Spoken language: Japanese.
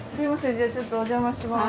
じゃあちょっとおじゃまします。